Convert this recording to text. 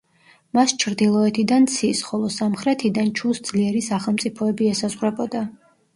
მას ჩრდილოეთიდან ცის, ხოლო სამხრეთიდან ჩუს ძლიერი სახელმწიფოები ესაზღვრებოდა.